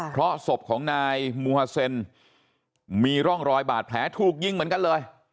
เพราะศพของนายมูฮาเซนมีร่องรอยบาดแผลถูกยิงเหมือนกันเลย